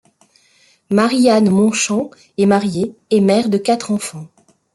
Marie-Anne Montchamp est mariée et mère de quatre enfants.